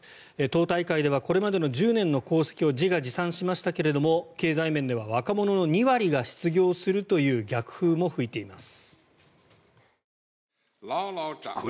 党大会ではこれまでの１０年の功績を自画自賛しましたが経済面では若者の２割が失業するという逆風も吹いています。